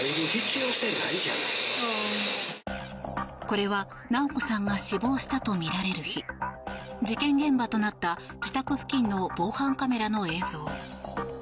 これは直子さんが死亡したとみられる日事件現場となった自宅付近の防犯カメラの映像。